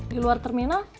di luar terminal